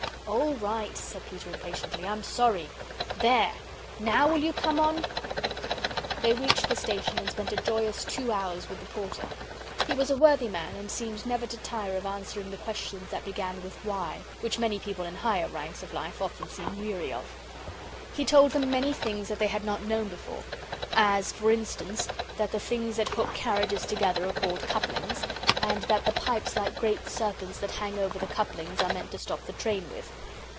"All right," said Peter, impatiently, "I'm sorry. THERE! Now will you come on?" They reached the station and spent a joyous two hours with the Porter. He was a worthy man and seemed never tired of answering the questions that begin with "Why " which many people in higher ranks of life often seem weary of. He told them many things that they had not known before as, for instance, that the things that hook carriages together are called couplings, and that the pipes like great serpents that hang over the couplings are meant to stop the train with.